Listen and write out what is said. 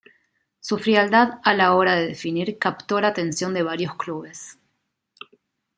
Su frialdad a la hora de definir captó la atención de varios clubes.